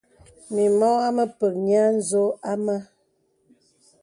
Mì mɔ amə̀ pək nyə̄ ǹzō a mə̀.